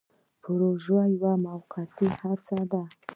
پروژه یوه موقتي هڅه ده